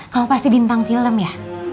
kau pasti bintang film ya